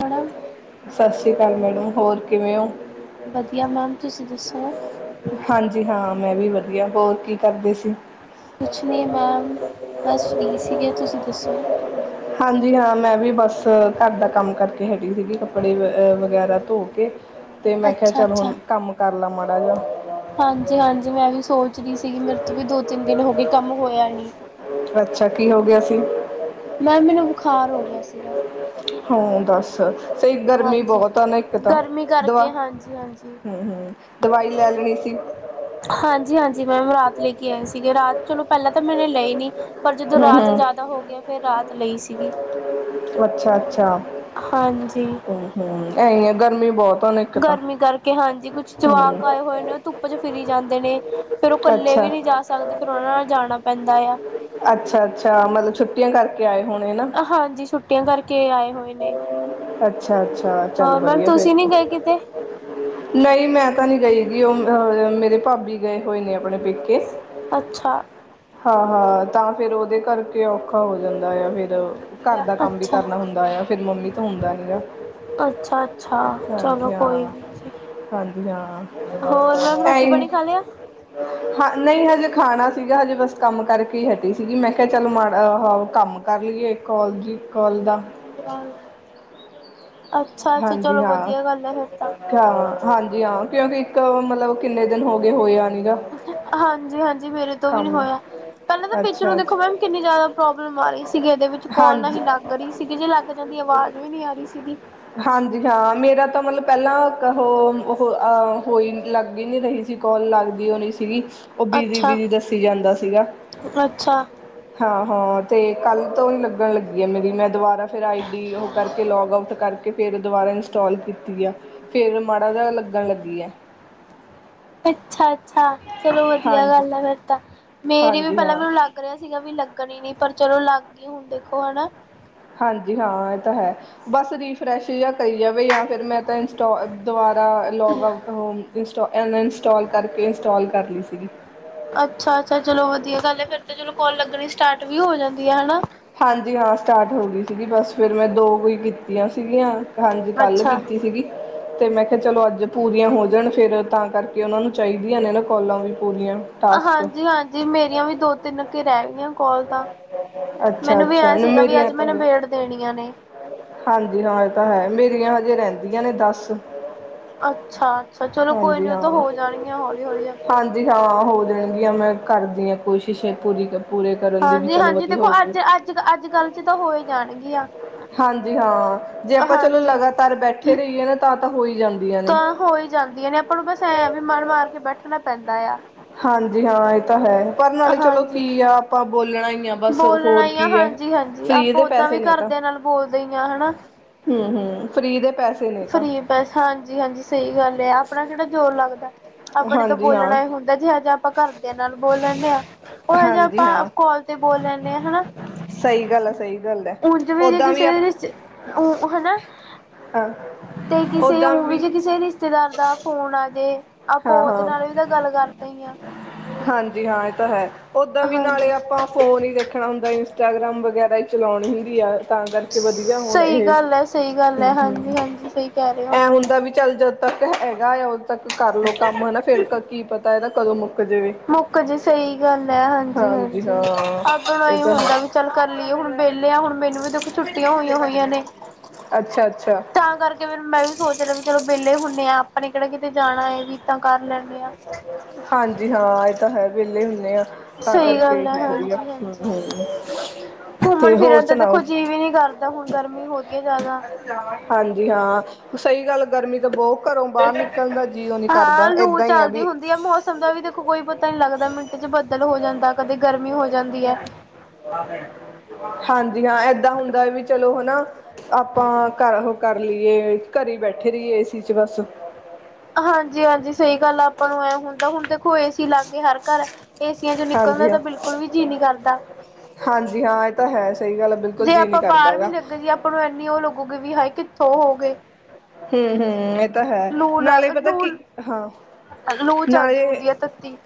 Madam ਸਤਿ ਸ਼੍ਰੀ ਅਕਾਲ ਮੈਡਮ ਹੋਰ ਕਿਵੇਂ ਓ ਵਧੀਆ ਮੈਮ ਤੁਸੀਂ ਦੱਸੋ? ਹਾਂਜੀ ਹਾਂ ਮੈਂ ਵੀ ਵਧੀਆ ਹੋਰ ਕੀ ਕਰਦੇ ਸੀ? ਕੁਛ ਨਹੀਂ ਮੈਮ ਬਸ ਫਰੀ ਸੀਗੇ ਤੁਸੀਂ ਦੱਸੋ? ਹਾਂਜੀ ਹਾਂ ਮੈਂ ਵੀ ਬਸ ਘਰ ਦਾ ਕੰਮ ਕਰਕੇ ਹਟੀ ਸੀਗੀ ਕੱਪੜੇ ਵ ਵਗੈਰਾ ਧੋ ਕੇ ਤੇ ਮੈਂ ਕਿਹਾ ਅੱਛਾ ਚੱਲ ਹੁਣ ਅੱਛਾ ਕੰਮ ਕਰ ਲਾ ਮਾੜਾ ਜਾ ਹਾਂਜੀ, ਹਾਂਜੀ ਮੈਂ ਵੀ ਸੋਚ ਰਹੀ ਸੀਗੀ ਮੇਰੇ ਤੋਂ ਵੀ ਦੋ ਤਿੰਨ ਦਿਨ ਹੋ ਗਏ ਕੰਮ ਹੋਇਆ ਨੀ। ਅੱਛਾ ਕੀ ਹੋ ਗਿਆ ਸੀ ਮੈਮ ਮੈਨੂੰ ਬੁਖਾਰ ਹੋ ਗਿਆ ਸੀਗਾ ਹਾ ਦੱਸ ਸਹੀ ਗਰਮੀ ਹਾਂਜੀ ਬਹੁਤ ਆ ਨਾ ਇੱਕ ਤਾਂ ਗਰਮੀ ਦਵਾ ਕਰਕੇ ਹਾਂਜੀ ਹਾਂਜੀ ਹੂੰ, ਹੂੰ ਦਵਾਈ ਲੈ ਲੈਣੀ ਸੀ ਹਾਂਜੀ, ਹਾਂਜੀ ਮੈਮ ਰਾਤ ਲੈ ਕੇ ਆਏ ਸੀਗੇ ਰਾਤ ਚਲੋ ਪਹਿਲਾਂ ਤਾਂ ਮੈਨੇ ਲਈ ਨੀ ਪਰ ਜਦੋਂ ਹੂੰ ਰਾਤ ਹੂੰ ਜ਼ਿਆਦਾ ਹੋ ਗਿਆ ਫਿਰ ਰਾਤ ਲਈ ਸੀਗੀ ਅੱਛਾ-ਅੱਛਾ ਹਾਂਜੀ। ਹੁਂ ਐਹੀ ਹੈ, ਗਰਮੀ ਬਹੁਤ ਆ ਨਾ ਇੱਕ ਤਾਂ ਗਰਮੀ ਕਰਕੇ। ਹਾਂਜੀ, ਕੁਛ ਜਵਾਕ ਹੂੰ ਆਏ ਹੋਏ ਨੇ, ਉਹ ਧੁੱਪ ਚ ਫਿਰੀ ਜਾਂਦੇ ਨੇ। ਫਿਰ ਉਹ ਇਕੱਲੇ ਵੀ ਅੱਛਾ ਨਹੀ ਜਾ ਸਕਦੇ। ਫਿਰ ਉਹਨਾਂ ਨਾਲ ਜਾਣਾ ਪੈਂਦਾ ਆ। ਅੱਛਾ- ਅੱਛਾ ਮਤਲਬ ਛੁੱਟੀਆਂ ਕਰਕੇ ਆਏ ਹੋਣੇ ਨਾ? ਹਾਂਜੀ, ਛੁੱਟੀਆਂ ਕਰਕੇ ਆਏ ਹੋਏ ਨੇ। ਅੱਛ-ਅੱਛਾ, ਚੱਲ ਹੋਰ ਮੈਮ ਵਧੀਆ ਫਿਰ ਤੁਸੀਂ ਨੀ ਤਾਂ। ਗਏ ਕਿਤੇ? ਨਹੀਂ, ਮੈਂ ਤਾਂ ਨਹੀ ਗਈ ਵੀ, ਜੀ ਉਹ ਮੇਰੇ ਭਾਬੀ ਗਏ ਹੋਏ ਨੇ ਆਪਣੇ ਪੇਕੇ। ਅੱਛਾ? ਹਾਂ- ਹਾਂ, ਤਾਂ ਫਿਰ ਉਹਦੇ ਕਰਕੇ 'ਔਖਾ ਹੋ ਜਾਂਦਾ ਆ ਫਿਰ ਮਤਲਬ ਘਰ ਦਾ ਕੰਮ ਵੀ ਅੱਛਾ, ਕਰਨਾ ਹੁੰਦਾ ਆ, ਫਿਰ ਮੰਮੀ ਤੋ ਹੁੰਦਾ ਨੀ ਆ। ਅੱਛਾ-ਅੱਛਾ, ਚਲੋ ਕੋਈ ਨੀ ਜੀ। ਹਾਂਜੀ ਹਾਂ, ਹੋਰ ਮੈਮ ਰੋਟੀ ਟਾਈਮ? ਪਾਣੀ ਖਾ ਲਿਆ? ਹਾਂ, ਨਹੀਂ ਹਜੇ ਖਾਣਾਂ ਸੀਗਾ ਹਜੇ ਬਸ- ਕੰਮ ਕਰਕੇ ਹਟੀ ਸੀਗੀ। ਮੈਂ ਕਿਹਾ ਚਲ ਮਾੜਾ ਕੰਮ ਕਰ ਲਈਏ। ਇਕ ਕੋਲ ਸੀ ਕੋਲ ਦਾ। ਅੱਛਾ-ਅੱਛਾ। ਹਾਂਜੀ ਚਲੋ ਹਾਂ ਵਧੀਆ ਗੱਲ ਹੈ ਫੇਰ ਤਾਂ। ਹਾਂਜੀ ਹਾਂ, ਕਿਉਂਕਿ, ਇੱਕ ਮਤਲਬ ਕਿੰਨੇ ਦਿਨ ਹੋ ਗਏ ਹੋਏਆ ਨੀ ਨਾ। ਹਾਂਜੀ- ਹਾਂਜੀ, ਮੇਰੇ ਤੋਂ ਵੀ ਨਹੀ ਹੋਇਆ। ਪਹਿਲਾਂ ਤਾਂ ਪਿਛੇ ਅੱਛਾ ਨੂੰ ਦੇਖੋ ਅੱਛਾ ਮੈਮ, ਕਿੰਨੀ ਜ਼ਿਆਦਾ ਪ੍ਰੋਬਲਮ ਆ ਰਹੀ ਸੀਗੀ, ਇਹਦੇ ਵਿੱਚ ਕਾਲ ਨਾ ਹਾਂਜੀ ਲੱਗ ਰਹੀ ਠੀਕ ਏ ਜੇ ਲੱਗ ਜਾਂਦੀ, ਆਵਾਜ਼ ਵੀ ਨਹੀਂ ਆ ਰਹੀ ਸੀਗੀ। ਹਾਂਜੀ ਹਾਂ। ਮੇਰਾ ਤਾਂ ਮਤਲਬ ਪਹਿਲਾ। [inaudible] ਲੱਗ ਹੀ ਨਹੀ ਰਹੀ ਸੀ ਕੋਲ ਲੱਗਦੀ ਉਹ ਨੀ ਸੀਗੀ, ਉਹ ਬਿਜੀ- ਅੱਛਾ। ਬਿਜੀ ਦੱਸੀ ਜਾਂਦਾ ਸੀਗਾ। ਅੱਛਾ ਹਾਂ-ਹਾਂ, 'ਤੇ ਕੱਲ ਤੋਂ ਹੀ ਲੱਗਣ ਲੱਗੀ ਆ, ਮੇਰੀ ਮੈਂ ਦੁਬਾਰਾ ਫਿਰ ਆਈਡੀ ਉਹ ਕਰਕੇ, ਲੋੌਗ ਆਊਟ ਕਰਕੇ ਤੇ ਫਿਰ ਦੁਬਾਰਾ ਇੰਸਟੋਲ ਕੀਤੀ ਆ, ਫਿਰ ਮਾੜਾ ਜਿਹਾ ਲੱਗਣ ਲੱਗੀ ਹੈ। ਅੱਛਾ-ਅੱਛਾ, ਚਲੋ ਵਧੀਆ ਹਾਂਜੀ ਗੱਲ ਆ ਫਿਰ ਤਾਂ, ਮੇਰੀ ਵੀ ਹਾਂਜੀ ਪਹਿਲਾਂ ਹਾਂ ਮੈਨੂੰ ਲੱਗ ਲੱਗ ਰਿਹਾ ਸੀਗਾ ਵੀ ਲੱਗਣ ਹੀ ਨਹੀਂ, ਪਰ ਚਲੋ ਲੱਗ ਗਈ ਹੁਣ ਦੇਖੋ ਹਨਾ। ਹਾਂਜੀ, ਹਾਂ ਇਹ ਤਾਂ ਹੈ, ਬਸ ਰੀਫਰੈਸ਼ ਜੇਹਾ ਕਰੀ ਜਾਵੇ ਯਾ ਫਿਰ ਮੈਂ ਤਾਂ ਇੰਸਟੋ ਦੁਬਾਰਾ ਲੌਗ ਆਊਟ ਹੋ, ਇੰਸਟੋ ਅਨਇੰਸਟਾਲ ਕਰਕੇ, ਇੰਸਟੋਲ ਕਰ ਲਈ ਸੀਗੀ। ਅੱਛਾ -ਅੱਛਾ, ਚਲੋ ਵਧੀਆ ਗੱਲ ਹੈ, ਫਿਰ ਤਾਂ ਚਲੋ ਕੋਲ ਲੱਗਣੀ ਸਟਾਰਟ ਵੀ ਹੋ ਜਾਂਦੀ ਹੈ, ਹਨਾ? ਹਾਂਜੀ ਹਾਂ ਸਟਾਰਟ ਹੋ ਗਈ ਸੀਗੀ, ਬਸ ਫਿਰ ਮੈਂ ਦੋ ਕੁ, ਈ ਕੀਤੀਆਂ ਸੀਗੀਆਂ ਹਾਂਜੀ, ਕੱਲ ਅੱਛਾ ਕੀਤੀ ਸੀਗੀ। ਤੇ ਮੈਂ ਕਿਹਾ ਚਲੋ, ਅੱਜ ਪੂਰੀਆਂ ਹੋ ਜਾਣ, ਫਿਰ ਤਾਂ ਕਰਕੇ ਉਹਨਾਂ ਨੂੰ ਚਾਹੀਦੀਆਂ ਨੇ ਨਾ ਕੋਲਾਂ ਵੀ ਪੂਰੀਆਂ। ਟਾਸਕ ਹਾਂਜੀ- ਹਾਂਜੀ ਮੇਰੀਆਂ ਵੀ ਦੋ ਤਿੰਨ ਕੇ ਰਹਿ ਗਈਆਂ, ਕੋਲ ਤਾਂ ਅੱਛਾ ਮੈਨੂੰ ਵੀ ਅੱਛਾ ਐਂ ਸੀਗਾ ਵੀ ਮੇਰੀਆਂ ਅੱਜ ਤਾਂ ਮੈਨੂੰ ਨੇ ਬੇੜ ਦੇਣੀਆਂ ਨੇ। ਹਾਂਜੀ ਹਾਂ, ਇਹ ਤਾਂ ਹੈ ਮੇਰੀਆਂ ਹਜੇ ਰਹਿੰਦੀਆਂ ਨੇ ਦੱਸ। ਅੱਛਾ -ਅੱਛਾ, ਚਲੋ ਕੋਈ ਨੀ ਉਹ ਤਾਂ ਹਾਂ ਹੋ ਜਾਣੀਆਂ ਹੌਲੀ- ਹੌਲੀ ਆਪੇ। ਹਾਂਜੀ ਹਾਂ, ਹੋ ਜਾਣਗੀਆਂ ਮੈਂ ਕਰਦੀਆ ਹਾਂ ਕੋਸ਼ਿਸ਼ ਪੂਰੀ ਤੇ ਪੂਰੇ- ਕਰਨ ਦੀ ਵੀ ਹਾਂਜੀ ਚਲੋ -ਹਾਂਜੀ ਵਧੀਆ ਦੇਖੋ ਹੋ ਜਾਵੇ ਅੱਜ -ਅੱਜ- ਅੱਜ ਕੱਲ ਚ ਤਾਂ ਹੋ ਹੀ ਜਾਣਗੀਆ। ਹਾਂਜੀ ਹਾਂ, ਜੇ ਆਪਾਂ ਚਲੋ ਲਗਾਤਾਰ ਬੈਠੇ ਰਹੀਏ ਨਾ ਤਾਂ- ਤਾਂ ਹੋ ਹੀ ਜਾਂਦੀਆਂ ਨੇ। ਤਾਂ ਹੋ ਹੀ ਜਾਂਦੀਆਂ ਨੇ, ਆਪਾਂ ਨੂੰ ਬਸ ਐਂ ਵੀ ਮਨ ਮਾਰ ਕੇ ਬੈਠਣਾ ਪੈਂਦਾ ਆ। ਹਾਂਜੀ ਹਾਂ, ਇਹ ਤਾਂ ਹੈ। ਪਰ ਨਾਲੇ ਚਲੋ ਹਾਂਜੀ। ਕੀ ਆ? ਆਪਾਂ ਬੋਲਣਾ ਹੀ ਆ ਬਸ ਬੋਲਣਾ ਹੋਰ ਹੀ ਆ ਕੀ ਹੈ, ਹਾਂਜੀ-ਹਾਂਜੀ ਫਰੀ ਆਪਾਂ ਦੇ ਓਦਾਂ ਪੈਸੇ ਵੀ ਨੇ ਇਹ ਤਾਂ। ਘਰਦਿਆਂ ਨਾਲ ਬੋਲਦੇ ਹੀ ਆ ਹਨਾ? ਹੂੰ- ਹੂੰ, ਫਰੀ ਦੇ ਪੈਸੇ ਨੇ ਤਾਂ ਫਰੀ ਪੈਸਾ ਹਾਂਜੀ-ਹਾਂਜੀ ਸਈ ਗੱਲ ਐ ਆਪਣਾ ਕੇੜਾ ਜ਼ੋਰ ਲੱਗਦਾ, ਆਪਾਂ ਨੇ ਤਾਂ ਹਾਂਜੀ ਹਾਂ ਬੋਲਣਾ ਈ ਹੁੰ ਦਾ ਜਿਹਾ ਜਾ ਆਪਾਂ ਘਰਦੇਆਂ ਨਾਲ ਬੋਲ ਲੈਨੇ ਆਂ ਓਹੇ ਜਿਆ ਹਾਂਜੀ ਆਪਾਂ ਹਾਂ ਕੋਲ ਤੇ ਬੋਲ ਲੈਨੇ ਆਂ ਹਨਾ। ਸਹੀ ਗੱਲ ਹੈ ਸਹੀ ਗੱਲ ਹੈ ਉਂਜ ਵੀ ਜੇ ਓਦਾਂ ਕਿਸੇ ਰਿਸ਼ ਊਂ ਹਨਾ। ਹਾਂ। ਤੇ ਕਿਸੇ ਊਂ ਵੀੇ ਜੇ ਕਿਸੇ ਰਿਸ਼ ਰਿਸ਼ਤੇਦਾਰ ਦਾ ਫੋਨ ਆ ਜੇ, ਆਪਾਂ ਹਾਂ ਓਦੇ ਹਾਂ ਨਾਲ ਵੀ ਤਾਂ ਗੱਲ ਕਰਦੇ ਈ ਆਂ। ਹਾਂਜੀ ਹਾਂ ਏਹ ਤਾਂ ਹੈ, ਓਦਾਂ ਵੀ ਨਾਲੇ ਹਾਂਜੀ। ਆਪਾਂ ਫੋਨ ਈ ਦੇਖਣਾ ਹੁੰਦਾ, ਇੰਸਟਾਗ੍ਰਾਮ ਵਗੈਰਾ ਈ। ਚਲੌਣੀ ਹੁੰਦੀ ਆ ਤਾਂ ਕਰਕੇ ਵਦੀਆ ਹੁਣ ਸਹੀ ਇਹ, ਗੱਲ ਹੈ, ਸਹੀ ਗੱਲ ਹੈ, ਹੂੰ-ਹੂੰ। ਹਾਂਜੀ ਹਾਂਜੀ ਸਹੀ ਕਹਿ ਰਹੇ ਹੋ। ਐਂ ਹੁੰਦਾ ਵੀ ਚੱਲ ਜਦ ਤੱਕ ਹੈਗਾ ਏਆ ਓਦੋਂ ਤੱਕ ਕਰ ਲਓ ਕੰਮ ਹਨਾ ਫਿਰ ਕ ਕੀ ਪਤਾ ਏਹਦਾ ਕਦੋਂ ਮੁੱਕ ਜਵੇ। ਮੁੱਕ ਜੇ ਸਈ ਗੱਲ ਐ ਹਾਂਜੀ-ਹਾਂਜੀ, ਹਾਂ ਆਪਾਂ ਨੂੰ ਇਹ ਐਈਂ ਤਾਂ ਹੈ ਹੁੰਦਾ ਵੀ ਚੱਲ ਕਰ ਲਈਏ ਹੁਣ ਵੇਲੇ ਆ, ਹੁਣ ਮੈਨੂੰ ਵੀ ਦੇਖੋ ਛੁੱਟੀਆਂ ਹੋਈਆਂ-ਹੋਈਆਂ ਨੇ। ਅੱਛਾ-ਅੱਛਾ। ਤਾਂ ਕਰਕੇ ਫਿਰ ਮੈਂ ਵੀ ਸੋਚ ਲਿਆ ਵੀ ਚਲੋ ਵੇਲੇ ਹੁੰਨੇ ਆਂ ਆਪਾਂ ਨੇ ਕੇੜਾ ਕਿਤੇ ਜਾਣਾ ਏ ਵੀ ਤਾਂ ਕਰ ਲੈਨੇ ਆਂ। ਹਾਂਜੀ ਹਾਂ ਏਹ ਤਾਂ ਹੈ ਵੇਲੇ ਹੁੰਨੇ ਆਂ। ਤਾਂ ਸਹੀ ਕਰਕੇ ਗੱਲ ਹੈ, ਏਹੀ ਵਦੀਆ, ਹੂੰ-ਹੂੰ। ਘੁੰਮਣ-ਫਿਰਨ ਤੇ ਦੇਖੋ ਜੀਅ ਵੀ ਨੀ ਕਰਦਾ ਹੁਣ ਗਰਮੀ ਹੋ ਰਈ ਏ ਜ਼ਾਦਾ। ਹਾਂਜੀ ਹਾਂ। ਸਈ ਗੱਲ ਗਰਮੀ ਤਾਂ ਬੋਹ ਘਰੋਂ ਬਾਰ ਨਿਕਲਣ ਦਾ ਜੀ ਓ ਨੀ ਕਰਦਾ ਏਦਾਂ ਈ ਆ ਵੀ ਤੇ ਆ ਮੌਸਮ ਦਾ ਵੀ ਦੇਖੋ ਕੋਈ ਪਤਾ ਨੀ ਲੱਗਦਾ ਮਿੰਟ ਚ ਬੱਦਲ ਹੋ ਜਾਂਦਾ, ਕਦੇ ਗਰਮੀ ਹੋ ਜਾਂਦੀ ਐ। [inaudible] ਵੀ ਹਾਂ ਏਦਾਂ ਹੁੰਦਾ ਐ ਵੀ ਚਲੋ ਹਨਾ ਆਪਾਂ ਘਰ ਓਹ ਕਰ ਲਈਏ ਘਰੇ ਈ ਬੈਠੇ ਰਈਏ ਏ ਸੀ ਚ ਬਸ। ਹਾਂਜੀ-ਹਾਂਜੀ ਸਈ ਗੱਲ ਆਪਾਂ ਨੂੰ ਐ ਹੁੰਦਾ ਹੁਣ ਦੇਖੋ ਏ ਸੀ ਲਾਗੇ ਹਰ ਘਰ। ਏਸੀਆਂ ਚੋਂ ਨਿਕਲਨ ਦਾ ਹਾਂਜੀ ਤਾਂ ਹਾਂ ਬਿਲਕੁਲ ਵੀ ਜੀਅ ਨੀ ਕਰਦਾ। ਹਾਂਜੀ ਹਾਂ ਏਹ ਤਾਂ ਹੈ ਸਈ ਗੱਲ ਐ ਬਿਲਕੁਲ ਜੇ ਜੀਅ ਨੀ ਆਪਾਂ ਕਰਦਾ ਬਾਹਰ ਵੀ ਹੈਗਾ। ਲੱਗੇ ਜੀ ਆਪਾਂ ਨੂੰ ਇੰਨੀ ਓਹ ਲੱਗੂਗੀ ਵੀ, ਹਾਏ ਕਿੱਥੋਂ ਓ ਹੋ ਗੇ। ਹੂੰ-ਹੂੰ ਏਹ ਤਾਂ ਹੈ ਲ ਨਾਲੇ ਪਤਾ ਲੂ ਕੀ, ਹਾਂ। ਲੂ ਚੱਲਦੀ ਨਾਲੇ, ਹੁੰਦੀ ਆ ਤੱਤੀ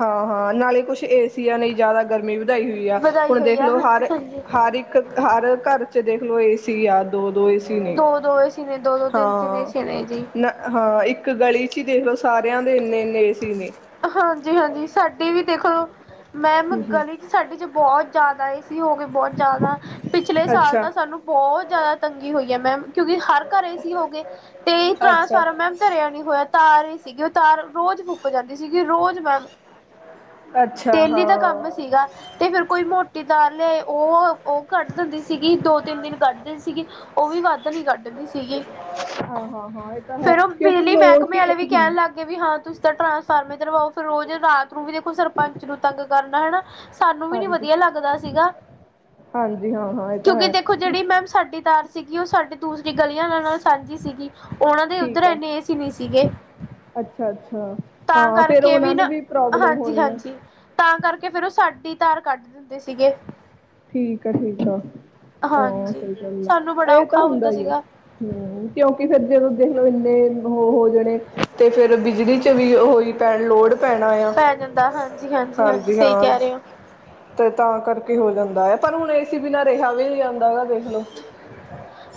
ਹਾਂ-ਹਾਂ ਨਾਲੇ ਕੁੱਛ ਏਸੀ ਆ ਨੇ ਜ਼ਾਦਾ ਗਰਮੀ ਵਧਾਈ ਹੋਈ ਆ, ਵਧਾਈ ਹੁਣ ਹੋਈ ਦੇਖ ਆ ਲੋ ਹਾਂਜੀ। ਹਰ-ਹਰ ਇੱਕ ਇੱਕ ਹਰ ਘਰ ਚ ਦੇਖਲੋ ਏ ਸੀ ਆ ਦੋ-ਦੋ ਏ ਸੀ ਦੋ-ਦੋ ਏ ਸੀ ਨੇ ਦੋ-ਦੋ, ਤਿੰਨ-ਤਿੰਨ ਏ ਸੀ ਨੇ ਜੀ। ਨਾ ਹਾਂ ਇੱਕ ਗਲੀ ਚ ਈ ਦੇਖ ਲਓ ਸਾਰੇਆਂ ਦੇ ਇੰਨੇ-ਇੰਨੇ ਏ ਸੀ ਨੇ। ਹਾਂਜੀ-ਹਾਂਜੀ ਸਾਡੀ ਵੀ ਦੇਖ ਲੋ। ਮੈਮ ਹਮ ਗਲੀ ਚ ਸਾਡੀ ਚ ਬੋਹ ਜ਼ਾਦਾ ਏ ਸੀ ਹੋ ਗਏ ਬੋਹ ਜ਼ਾਦਾ। ਪਿਛਲੇ ਹਮ ਸਾਲ ਅੱਛਾ ਤਾਂ ਸਾਨੂੰ ਬੋਹਤ ਜਾਦਾ ਤੰਗੀ ਹੋਈ ਐ ਮੈਮ ਕਿਉਂਕਿ ਹਰ ਘਰ ਏਸੀ ਹੋ ਗਏ ਤੇ ਅੱਛਾ ਟਰਾਂਸਫਾਰਮ ਮੈਮ ਧਰਿਆ ਨਈਂ ਹੋਇਆ ਤਾਰ ਈ ਸੀਗੀ ਓ ਤਾਰ ਰੋਜ ਫੁਕ ਜਾਂਦੀ ਸੀਗੀ ਰੋਜ ਮੈਮ। ਅੱਛਾ ਡੇਲੀ ਦਾ ਹਾਂ ਕੰਮ ਸੀਗਾ। ਤੇ ਫਿਰ ਕੋਈ ਮੋਟੀ ਤਾਰ ਲਿਆਏ ਓਹ ਓ ਕੱਢ ਦਿੰਦੀ ਸੀਗੀ ਦੋ ਤਿੰਨ ਦਿਨ ਕੱਢ ਦਿੰਦੀ ਸੀਗੀ। ਓਹ ਵੀ ਵੱਦ ਵੱਦ ਨੀ ਕੱਢਦੀ ਸੀਗੀ, ਹਾਂ ਹਾਂ ਹਾਂ ਇਹ ਤਾਂ ਹੈ ਫਿਰ ਓਹ ਕਿਉਂਕਿ ਬਿਜਲੀ ਲੋੜ ਮਹਿਕਮੇ ਹੀ ਆਲੇ ਵੀ ਹਾਂ ਕੈਣ ਲਾਗ ਗੇ ਵੀ ਹਾਂ ਤੁਸੀਂ ਤਾਂ ਟਰਾਂਸਫਾਰਮਰ ਈ ਧਰਵਾਓ ਫਿਰ ਰੋਜ਼ ਰਾਤ ਨੂੰ ਵੀ ਦੇਖੋ ਸਰਪੰਚ ਨੂੰ ਤੰਗ ਕਰਨਾ ਹਨਾ। ਸਾਨੂੰ ਵੀ ਨੀ ਹਾਂਜੀ ਵਦੀਆ ਲੱਗਦਾ ਸੀਗਾ। ਹਾਂਜੀ, ਹਾਂ ਹਾਂ, ਇਹ ਤਾਂ ਕਿਉਂਕਿ ਹੈ। ਦੇਖੋ ਜਿਹੜੀ ਮੈਮ ਸਾਡੀ ਤਾਰ ਸੀਗੀ, ਉਹ ਸਾਡੀ ਦੂਸਰੀ ਗਲੀਆਂ ਨਾਲ, ੳਨਾਂ ਨਾਲ ਸਾਂਝੀ ਸੀਗੀ। ਉਹਨਾਂ ਦੇ ਠੀਕ ਉੱਧਰ, ਆ ਇੰਨੇ ਏਸੀ ਨਹੀਂ ਸੀਗੇ। ਅੱਛਾ ਅੱਛਾ, ਤਾਂ ਹਾਂ, ਫਿਰ ਕਰਕੇ ਉਹਨਾਂ ਨੂੰ ਨਾ ਵੀ ਪ੍ਰੋਬਲਮ ਹਾਂਜੀ ਹੋਣੀ ਆ। ਹਾਂਜੀ ਤਾਂ ਕਰਕੇ, ਫਿਰ ਉਹ ਸਾਡੀ ਤਾਰ ਕੱਢ ਦਿੰਦੇ ਸੀਗੇ। ਠੀਕ ਆ ਠੀਕ ਆ, ਤਾਂ ਹਾਂਜੀ ਸਹੀ ਗੱਲ ਆ, ਸਾਨੂੰ ਬੜਾ ਇਹ ਤਾਂ ਔਖਾ ਹੁੰਦਾ ਹੀ ਆ, ਸੀਗਾ ਹਮ। ਕਿਉਂਕਿ ਫਿਰ ਜਦੋਂ ਦੇਖ ਲਓ ਇੰਨੇ ਹੋ ਹੋ ਜਾਣੇ, ਤੇ ਫਿਰ ਬਿਜਲੀ 'ਚੱ ਵੀ ਹੋਈ ਪੈਣ ਲੋੜ ਪੈਣਾ ਆ, ਪੈ ਜਾਂਦਾ ਹਾਂਜੀ ਹਾਂਜੀ ਸਹੀ ਹਾਂ। ਕਹਿ ਰਹੇ ਹੋ ਤੇ ਤਾਂ ਕਰਕੇ ਹੋ ਜਾਂਦਾ ਹੈ, ਪਰ ਹੁਣ ਏ ਸੀ ਬਿਨਾਂ ਰਿਹਾ ਵੀ ਨਹੀਂ ਜਾਂਦਾਂ।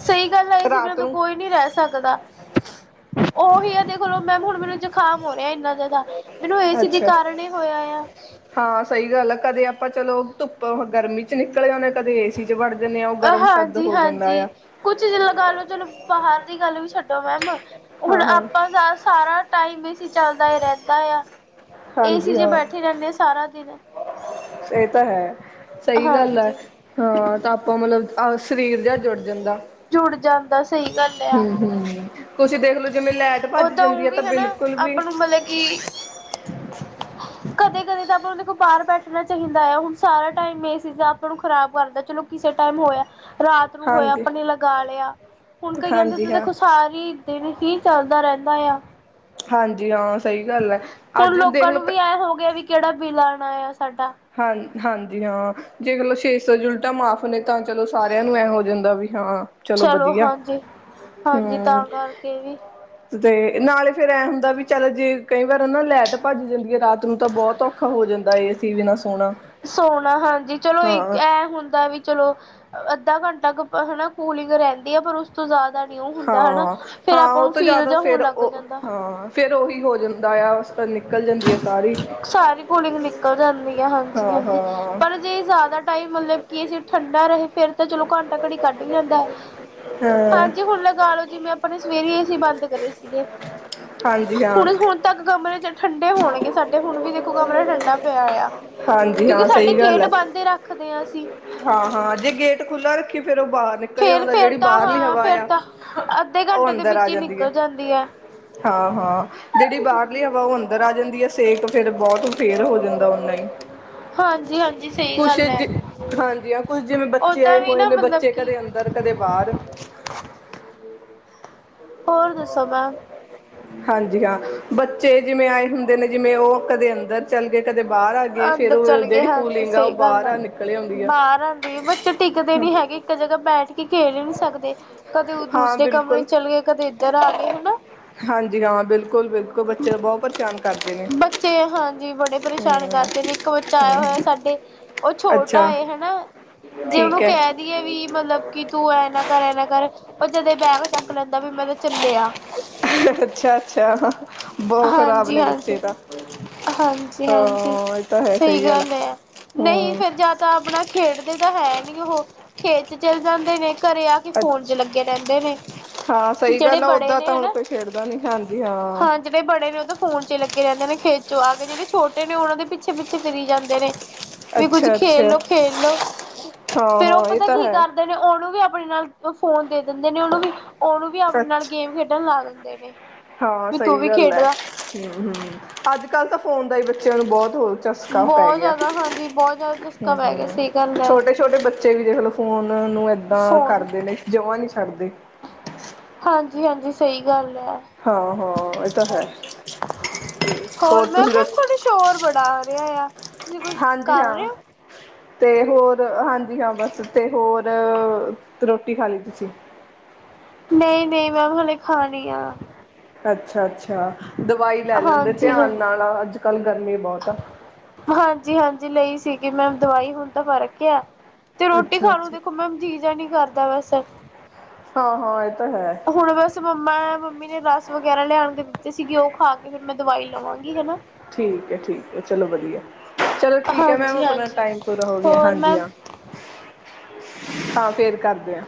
ਸਹੀ ਗੱਲ ਆਈ, ਏ ਸੀ ਬਿਨਾਂ ਰਾਤ ਤਾਂ ਨੂੰ ਕੋਈ ਨਹੀਂ ਰਹਿ ਸਕਦਾ। ਉਹੀ ਹੈ ਦੇਖਲੋ ਮੈਮ, ਹੁਣ ਮੈਨੂੰ ਜ਼ੁਖਾਮ ਹੋ ਰਿਹਾ ਇਹਨਾ ਜ਼ਿਆਦਾ ਮੈਨੂੰ, ਏ ਸੀ ਦੇ ਅੱਛਾ ਕਾਰਨ ਹੋਇਆ ਆ। ਹਾਂ ਸਹੀ ਗੱਲ ਆ, ਕਦੇ ਆਪਾਂ ਚਲੋ ਧੁੱਪ ਗਰਮੀਂ 'ਚੱ ਨਿਕਲੇ, ਕਦੇ ਏ ਸੀ ਵੜ ਜਾਂਦੇ ਆ, ਉਹ ਗਰਮ ਸਰਦ ਹਾਂਜੀ ਹੋ ਜਾਂਦਾ ਹਾਂਜੀ, ਆ ਕੁੱਛ ਲਗਾ ਲਓ, ਚਲੋ ਬਾਹਰ ਦੀ ਗੱਲ ਵੀ ਛੱਡੋ ਮੈਮ ਹੁਣ ਹਾਂ ਹਾਂ ਆਪਾਂ ਸਾਰਾ ਟਾਈਮ ਏ ਸੀ ਚੱਲਦਾ ਰਹਿੰਦਾ ਆ, ਏ ਸੀ ਹਾਂਜੀ ਜੇ ਹਾਂ ਬੈਠੇ ਰਹਿੰਦੇ ਆ ਸਾਰਾ ਦਿਨ ਇਹ ਤਾਂ ਹੈ, ਸਹੀ ਗੱਲ ਹੈ, ਹਾਂਜੀ ਹਾਂ ਤਾਂ ਆਪਾਂ ਮਤਲੱਬ ਆਹ ਸਰੀਰ ਜਿਹਾ ਜੁੜ ਜਾਂਦਾ, ਜੁੜ ਜਾਂਦਾ ਸਹੀ ਗੱਲ ਆ ਹਮ ਹਮ। ਤੁਸੀਂ ਦੇਖਲੋ ਜਿਵੇਂ ਲਾਈਟ ਭੱਜ ਓਦਾਂ ਜਾਂਦੀ ਉਹ ਹੈ, ਵੀ ਤਾਂ ਹਨਾ ਬਿਲਕੁੱਲ ਵੀ ਆਪਾਂ [unintelligible] ਕਦੇ ਕਦੇ ਤਾਂ ਆਪਾਂ ਉਹ ਦੇਖੋ, ਬਾਹਰ ਬੈਠਣਾ ਚਾਹੀਦਾ ਆ। ਹੁਣ ਸਾਰਾ ਟਾਈਮ, ਇਹ ਚੀਜ਼ਾਂ ਆਪਾਂ ਨੂੰ ਖ਼ਰਾਬ ਕਰਦਾ। ਚਲੋ ਕਿਸੇ ਟਾਈਮ ਹੋਇਆ, ਰਾਤ ਨੂੰ ਹੋਇਆ ਹਾਂਜੀ ਆਪਣੇ ਲਗਾ ਲਿਆ। ਹੁਣ ਕਈਆਂ ਹਾਂਜੀ ਹਾਂ ਸਾਰੇ ਦਿਨ ਹੀ, ਚੱਲਦਾ ਰਹਿੰਦਾ ਆ। ਹਾਂਜੀ ਹਾਂ, ਸਹੀ ਗੱਲ ਹੈ। ਹੁਣ ਅੱਜ ਲੋਕਾਂ ਦੇਖਲੋ ਨੂੰ ਵੀ ਐਂ ਹੋ ਗਿਆ, ਵੀ ਕਿਹੜਾ ਬਿੱਲ ਆਉਣਾ ਆ ਸਾਡਾ ਹਾਂ ਹਾਂਜੀ ਹਾਂ, ਦੇਖ ਲੋ ਛੇ ਸੌ ਉਨੀਟਾਂ ਉਲਟਾ ਮਾਫ਼ ਆਪਣੇ ਤਾਂ ਚਲੋ ਸਾਰਿਆਂ ਨੂੰ ਐ ਹੋ ਜਾਂਦਾ, ਵੀ ਹਾਂ ਚਲੋ ਵਧੀਆ ਹਾਂਜੀ, ਹੂੰ ਤਾਂ ਕਰਕੇ ਵੀ ਤੇ ਨਾਲੇ, ਫਿਰ ਐਂ ਹੁੰਦਾ ਵੀ ਚੱਲ ਜੇ ਕਈ ਵਾਰ ਉਹ ਨਾ ਲੈਟ ਭੱਜ ਜਾਂਦੀ ਹੈ ਰਾਤ ਨੂੰ, ਤਾਂ ਬਹੁਤ ਔਖਾ ਹੋ ਜਾਂਦਾ ਏ ਸੀ ਬਿਨਾਂ ਸੋਣਾ ਸੋਣਾ ਹਾਂਜੀ, ਚਲੋ ਇੱਕ ਹਾਂ ਹੁੰਦਾ ਵੀ ਚਲੋ, ਅੱਧਾ ਘੰਟਾ 'ਕੁ ਹਨਾ ਕੂਲਿੰਗ ਰਹਿੰਦੀ ਆ, ਪਰ ਉਸ ਤੋਂ ਜ਼ਿਆਦਾ ਨੀ ਉਹ ਹੁੰਦਾ ਹਨਾ। ਹਾਂ ਫੇਰ ਹਾਂ ਆਪਾਂ ਉਹ ਨੂੰ ਤੋਂ ਫੀਲ ਜ਼ਿਆਦਾ ਜਾ ਹੋਣ ਫਿਰ, ਲੱਗ ਉਹ ਜਾਂਦਾ। ਹਾਂ ਫਿਰ ਉਹੀ ਹੋ ਜਾਂਦਾ ਆ ਨਿਕਲ [unintelligible] ਹੁੰਦੀ ਹੈ ਸਾਰੀ ਸਾਰੀ ਕੁਲਿੰਗ ਨਿਕਲ ਜਾਂਦੀ ਆ, ਹਾਂਜੀ ਹਾਂ ਹਾਂਜੀ। ਹਾਂ ਪਰ ਜੇ ਜ਼ਿਆਦਾ ਟਾਈਮ ਮਤਲੱਬ ਕੀ ਏਸੀਂ ਠੰਡਾ ਰਹੇ, ਫਿਰ ਤਾਂ ਚਲੋ ਘੰਟਾ ਘੜੀ ਕੱਟ ਵੀ ਜਾਂਦਾ ਹੈ। ਹਾਂ। ਹਾਂਜੀ ਹੁਣ ਲਗਾ ਲਓ ਜਿਵੇਂ ਆਪਣੇ ਸਵੇਰੇ ਅ ਸੀ ਬੰਦ ਕਰੇ ਸੀਗੇ, ਹਾਂਜੀ ਹਾਂ ਹੁਣ- ਹੁਣ ਤੱਕ ਕਮਰੇ 'ਚ ਠੰਡੇ ਹੋਣਗੇ ਸਾਡੇ, ਹੁਣ ਵੀ ਦੇਖੋ ਕਮਰਾ ਠੰਡਾ ਪਿਆ ਆ, ਹਾਂਜੀ ਕਿਉਂਕਿ ਹਾਂ ਸਾਡੇ ਸਹੀ ਗੱਲ ਗੇਟ ਹੈ ਬੰਦ ਰੱਖ ਰੱਖਦੇ ਹਾਂ ਅਸੀਂ ਹਾਂ ਹਾਂ, ਜੇ ਗੇਟ ਖੁੱਲ੍ਹਾ ਰੱਖੀ, ਫੇਰ ਉਹ ਬਾਹਰ ਨਿਕਲ ਨੱਕਲੀ ਫੇਰ ਆਉਂਦਾ, ਫੇਰ ਜਿਹੜੀ ਤਾਂ ਬਾਹਰਲੀ ਹਾਂ ਹਵਾ ਫੇਰ ਆ, ਤਾਂ ਅੱਧੇ ਉਹ ਘੰਟੇ ਦੇ ਅੰਦਰ ਆ ਵਿੱਚ ਹੀ ਜਾਂਦੀ ਹੈ। ਨਿਕਲ ਹੈ ਹਾਂ ਹਾਂ, ਜਿਹੜੀ ਬਾਹਰਲੀ ਹਵਾ ਉਹ ਅੰਦਰ ਆ ਜਾਂਦੀ ਹੈ, ਸੇਕ ਫੇਰ ਬਹੁਤ ਫੇਰ ਹੋ ਜਾਂਦਾ ਓਨਾ ਹੀ ਹਾਂਜੀ ਹਾਂਜੀ ਸਹੀ ਕੁਛ ਗੱਲ ਹੈ ਜ ਹਾਂਜੀ ਹਾਂ ਕੁਝ ਜਿਵੇਂ ਬੱਚੇ ਓਦਾਂ ਆਏ ਵੀ ਹੋਏ ਨਾ ਨੇ ਮਤਲਬ ਬੱਚੇ ਕਿ ਕਦੇ ਅੰਦਰ ਕਦੇ ਬਾਰ। ਹੋਰ ਦਸੋ ਮੈਮ। ਹਾਂਜੀ ਹਾਂ ਬੱਚੇ ਜਿਵੇਂ ਆਏ ਹੁੰਦੇ ਨੇ ਜਿਵੇਂ ਉਹ ਕਦੇ ਅੰਦਰ ਚੱਲ ਗਏ ਕਦੇ ਬਾਰ ਆ ਗਏ, ਫੇਰ ਅੰਦਰ ਉਹ ਚਲੇ ਗਏ ਜਿਹੜੀ ਹਾਂਜੀ ਕੂਲਿੰਗ ਆ ਉਹ ਬਾਰ ਆ ਨਿਕਲ ਆਉਂਦੀ ਆ। ਤੇ ਬੱਚੇ ਟਿਕਦੇ ਨੀ ਹੈਗੇ ਇੱਕ ਜਗ੍ਹਾ ਬੈਠ ਕੇ ਖੇਲ ਨੀ ਸਕਦੇ। ਕਦੇ ਉਹ ਹਾਂ ਦੂਸਰੇ ਕਮਰੇ ਬਿਲਕੁਲ ਚਲ ਗਏ, ਕਦੇ ਇ ਇਧਰ ਆ ਗਏ ਹਨਾ। ਹਾਂਜੀ ਹਾਂ ਬਿਲਕੁਲ ਬਿਲਕੁਲ ਬੱਚੇ ਤਾਂ ਬਹੁਤ ਪਰੇਸ਼ਾਨ ਕਰਦੇ ਨੇ। ਪਰਸ਼ਾਨ ਹੂੰ ਕਰਦੇ ਨੇ, ਇੱਕ ਬੱਚਾ ਆਇਆ ਹੋਇਆ ਸਾਡੇ, ਉਹ ਛੋਟਾ ਅੱਛਾ ਆਏ ਹਨਾ, ਜੇ ਉਹਨੂੰ ਠੀਕ ਹੈ ਕਹਿ ਵੀ ਐ ਵੀ ਮਤਲਬ ਕੀ ਤੂੰ ਐ ਨਾ ਕਰ ਐ ਨਾ ਕਰ। ਉਹ ਜਦੇ ਬੈਗ ਚੱਕ ਲੈਂਦਾ ਵੀ ਮੈਂ ਤਾਂ ਚੱਲੇਆ। ਅੱਛਾ ਅੱਛਾ ਬਹੁਤ ਖ਼ਰਾਬ ਨੇ ਬੱਚੇ ਹਾਂਜੀ-ਹਾਂਜੀ। ਤਾਂ ਹਾਂਜੀ ਹਾਂ। ਹਾਂਜੀ ਇਹ ਤਾਂ ਹੈ ਸਹੀ ਆ ਗੱਲ ਐ, ਨਹੀਂ ਹਮ ਫੇਰ ਜਾਂ ਤਾਂ ਆਪਣਾ ਖੇਡਦੇ ਤਾਂ ਹੈ ਨੀ ਉਹੋ, ਖੇਤ ਚ ਚਲ ਜਾਂਦੇ ਨੇ, ਘਰੇ ਆ ਕੇ ਫੋਨ ਚ ਅੱਛਾ ਲੱਗੇ ਰਹਿੰਦੇ ਨੇ। ਹਾਂ ਸਹੀ ਜਿਹੜੇ ਗੱਲ ਆ ਬੜੇ ਓਦਾਂ ਨੇ ਤਾਂ ਹੁਣ ਹਨਾ ਕੋਈ ਖੇਡਦਾ ਨੀ, ਹਾਂਜੀ ਹਾਂ। ਜਿਹੜੇ ਬੜੇ ਨੇ ਉਹ ਫੋਨ ਚ ਲੱਗੇ ਰਹਿੰਦੇ ਨੇ ਖੇਤ ਚੋਂ ਆ ਕੇ ਜਿਹੜੇ ਛੋਟੇ ਨੇ ਉਹਨਾਂ ਦੇ ਪਿੱਛੇ ਪਿੱਛੇ ਫਿਰੀ ਜਾਂਦੇ ਨੇ। ਵੀ ਕੁੱਝ ਅੱਛਾ ਖੇਲ ਅੱਛਾ ਲੋ ਖੇਲ ਲੋੋ। ਹਾਂ ਫੇਰ ਉਹ ਹਾਂ ਇਹ ਪਤਾ ਤਾਂ ਕੀ ਹੈ ਕਰ ਦੇ ਨੇ। ਉਹਨੂੰ ਵੀ ਆਪਣੇ ਨਾਲ ਫੋਨ ਦੇ ਦਿੰਦੇ ਨੇ ਉਹਨੂੰ ਵੀ, ਉਹਨੂੰ ਵੀ ਆਪਣੇ ਨਾਲ ਅੱਛਾ ਗੇਮ ਖੇਡਣ ਲਾ ਦਿੰਦੇ ਨੇ, ਵੀ ਤੂੰ ਵੀ ਖੇਡਦਾ। ਹੂ ਹੂ ਅੱਜ ਕੱਲ ਤਾਂ ਫੋਨ ਦਾ ਹੀ ਬੱਚਿਆਂ ਨੂੰ ਬਹੁਤ ਹੋ ਚਸਕਾ ਪੈ ਬਹੁਤ ਗਿਆ। ਜ਼ਿਆਦਾ ਹਾਂਜੀ ਬਹੁਤ ਜ਼ਿਆਦਾ ਹੂ ਚਸਕਾ ਪੈ ਗਿਆ ਹੂ, ਸਹੀ ਗੱਲ ਹੈ ਛੋਟੇ ਛੋਟੇ ਬੱਚੇ ਵੀ ਦੇਖਲੋ ਫੋਨ ਨੂੰ ਏਦਾਂ ਫੋਨ ਕਰਦੇ ਨੇ ਜਮਾਂ ਨਹੀਂ ਛੱਡਦੇ। ਹਾਂਜੀ ਹਾਂਜੀ ਸਹੀ ਗੱਲ ਐ। ਹਾਂ ਹਾਂ ਇਹ ਤਾਂ ਹੈ ਹਾਂਜੀ ਹੋਰ ਮੈਮ ਤੁਸੀਂ ਮੈਮ ਤੁਹਾਡੇ ਰੋਟੀ ਸ਼ੋਰ ਬੜਾ ਆ ਰਿਹਾ ਆ। ਤੁਸੀਂ ਕੋਈ ਹਾਂਜੀ ਕਰ ਹਾਂ ਰਹੇ ਹੋ। ਅਤੇ ਹੋਰ ਹਾਂਜੀ ਹਾਂ ਬਸ ਅਤੇ ਹੋਰ ਰੋਟੀ ਖਾ ਲੀ ਤੁਸੀਂ? ਨਹੀਂ ਨਹੀਂ ਮੈਂ ਹਲੇ ਖਾਣੀ ਆ। ਅੱਛਾ ਅੱਛਾ ਦਵਾਈ ਲੈ ਲੈਂਦੇ ਹਾਂਜੀ ਹਾਂ। ਧਿਆਨ ਨਾਲ ਅੱਜ ਕੱਲ੍ਹ ਗਰਮੀ ਬਹੁਤ ਆ। ਹਾਂਜੀ ਹਾਂਜੀ ਲਈ ਸੀਗੀ ਮੈਮ ਦਵਾਈ ਹੁਣ ਤਾਂ ਫਰਕ ਆ ਤੇ ਰੋਟੀ ਅੱਛਾ ਖਾਣ ਨੂੰ ਅੱਛਾ ਦੇਖੋ ਮੈਮ ਜੀਅ ਜਾ ਨੀ ਕਰਦਾ ਬਸ। ਹਾਂ ਹਾਂ ਇਹ ਤਾਂ ਹੈ। ਹੁਣ ਬਸ ਮੰਮਾ ਮੰਮੀ ਨੇ ਰਸ ਵਗੈਰਾ ਲਿਆਣ ਕੇ ਦਿੱਤੇ ਸੀਗੇ ਉਹ ਖਾ- ਤੇ ਫ਼ਿਰ ਮੈਂ ਦਵਾਈ ਲਵਾਂਗੀ ਹਨਾ। ਠੀਕ ਐ ਠੀਕ ਐ ਚਲੋ ਵਧੀਆ। ਚਲੋ ਠੀਕ ਐ ਮੈਮ ਹਾਂਜੀ ਆਪਣਾ ਹਾਂਜੀ ਟਾਈਮ ਪੂਰਾ ਹੋ ਗਿਆ, ਹੋਰ ਹਾਂਜੀ ਮੈਮ ਹਾਂ ਤਾਂ ਫੇਰ ਕਰਦੇ ਆ।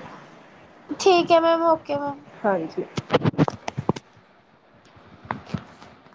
ਠੀਕ ਐ ਮੈਮ ਓਕੇ ਮੈਮ। ਹਾਂਜੀ। [unintelligible]